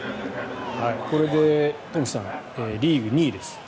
これで東輝さんリーグ２位です。